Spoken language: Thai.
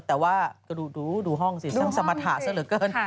แต่ว่าดูห้องสิสร้างสมรรถหาเส้นเหลือเกิน